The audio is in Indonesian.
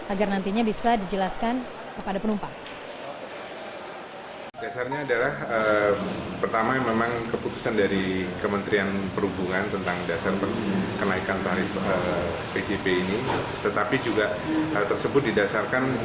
agar nantinya bisa dijelaskan kepada penerbangan domestik